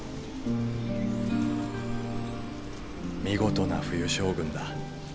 見事な冬将軍だ。